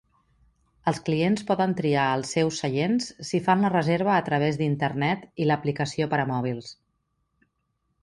Els clients poden triar els seus seients si fan la reserva a través d'Internet i l'aplicació per a mòbils.